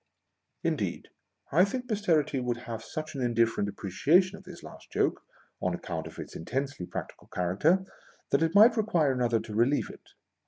Indeed, I think Posterity would have such an indifferent appreciation of this last joke, on account of its intensely practical character, that it might require another to relieve it.